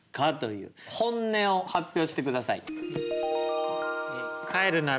本音を発表してください。